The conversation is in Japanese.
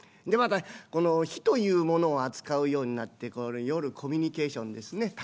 でまた火というものを扱うようになって夜コミュニケーションですね